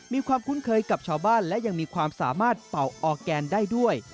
มีความคุ้นเคยกับชาวบ้านและยังมีความสามารถเป่าออร์แกนได้ด้วย